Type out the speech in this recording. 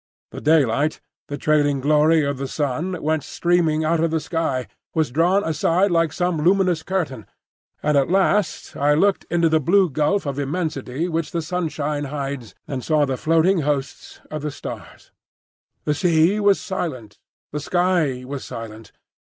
The daylight, the trailing glory of the sun, went streaming out of the sky, was drawn aside like some luminous curtain, and at last I looked into the blue gulf of immensity which the sunshine hides, and saw the floating hosts of the stars. The sea was silent, the sky was silent.